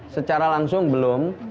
secara langsung belum